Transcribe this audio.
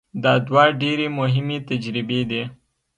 دا دوه ډېرې مهمې تجربې دي.